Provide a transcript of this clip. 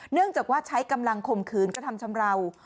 เนื่องจากว่าใช้กำลังข่มขืนกระทำชำราว